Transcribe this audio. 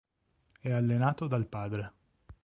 È allenato dal padre.